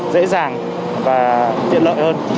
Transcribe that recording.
dễ dàng và tiện lợi hơn